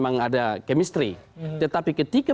ada chemistry tetapi ketika